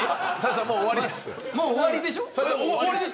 もう終わりでしょ。